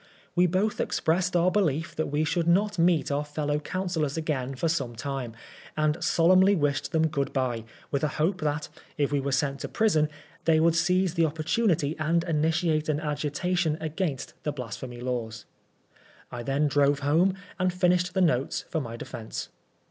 We both expressed our belief that we should not meet our fellow councillors again for some time, and solemnly wished them good bye, with a hope that, if we were sent to prison, they would seize the opportunity, and initiate an agitation against the Blas phemy Laws. I then drove home, and finished the notes for my defence.